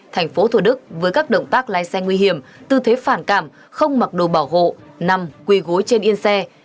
thành phố thủ đức với các động tác lái xe nguy hiểm tư thế phản cảm không mặc đồ bảo hộ nằm quỳ gối trên yên xe